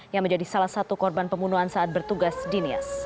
yang menjadi salah satu korban pembunuhan saat bertugas dinias